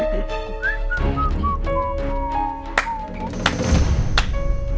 nih ya udah